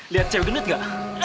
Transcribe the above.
lihat cewek gendut gak